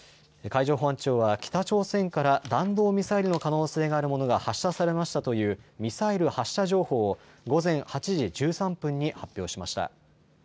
海上保安庁は北朝鮮から弾道ミサイルの可能性があるものが発射されましたというミサイル発射情報を午前８時１３分に発表しました。